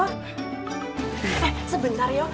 eh sebentar yuk